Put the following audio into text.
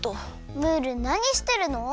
ムールなにしてるの？